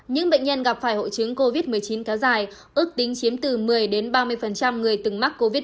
những bệnh nhân gặp phải hộ trứng covid một mươi chín kéo dài ước tính chiếm từ một mươi ba mươi người từng mắc covid một mươi chín